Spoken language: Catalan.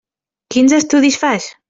Quins estudis fas?